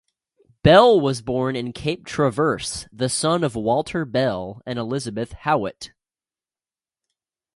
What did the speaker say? Bell was born in Cape Traverse, the son of Walter Bell and Elizabeth Howatt.